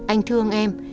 anh thương em